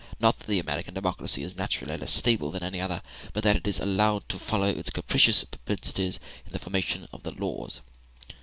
Not that the American democracy is naturally less stable than any other, but that it is allowed to follow its capricious propensities in the formation of the laws.